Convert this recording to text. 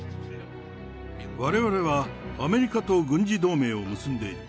われわれはアメリカと軍事同盟を結んでいる。